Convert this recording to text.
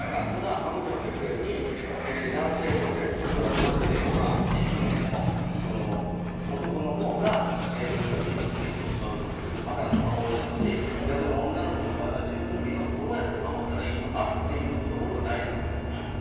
ただマコちゃんが言ったように男性、女性と大人になって、思春期でも男のほうが女性を傷つけてしまうパターンのほうが多いだろうし逆に女の子の場合は自分の身をどうやって守ったらいいかが大事なわけじゃない。